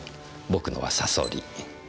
僕のはさそり。